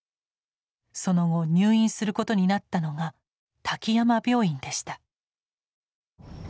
その後入院することになったのが滝山病院でした。